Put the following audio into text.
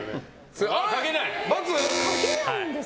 かけないんですか。